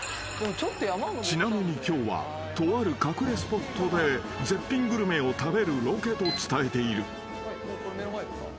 ［ちなみに今日はとある隠れスポットで絶品グルメを食べるロケと伝えている］